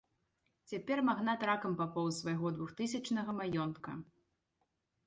Цяпер магнат ракам папоўз з свайго двухтысячнага маёнтка.